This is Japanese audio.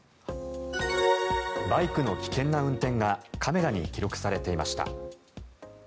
バイクの危険な運転がカメラに記録されていました。